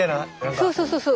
そうそうそうそう。